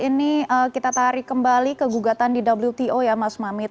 ini kita tarik kembali ke gugatan di wto ya mas mamit